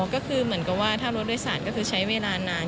ก็คือเหมือนกับว่าถ้ารถโดยสารก็คือใช้เวลานาน